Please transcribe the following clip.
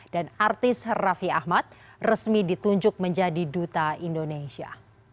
dan artis raffi ahmad resmi ditunjuk menjadi duta indonesia